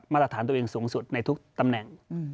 มาตรฐานตัวเองสูงสุดในทุกตำแหน่ง